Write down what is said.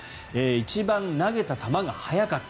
一番投げた球が速かった。